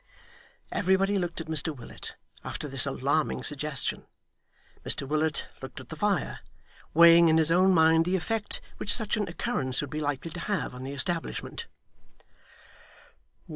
Everybody looked at Mr Willet, after this alarming suggestion. Mr Willet looked at the fire, weighing in his own mind the effect which such an occurrence would be likely to have on the establishment.